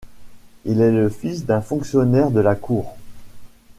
Il est le fils d'un fonctionnaire de la Cour.